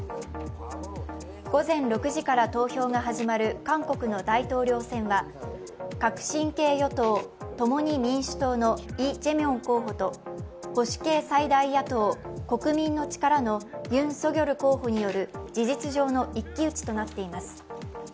午前６時から投票が始まる韓国の大統領選は革新系与党・共に民主党のイ・ジェミョン候補と保守系最大野党・国民の力のユン・ソギョル候補による事実上の一騎打ちとなっています。